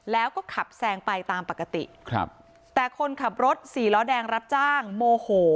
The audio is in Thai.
แล้วก็ขับแซงไปตามปกติครับแต่คนขับรถสี่ล้อแดงรับจ้างโมโห